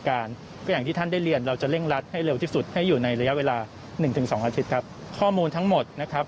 ๑๒อาทิตย์ครับข้อมูลทั้งหมดนะครับ